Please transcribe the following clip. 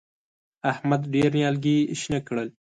احمد ډېر نيالګي شنه کړل.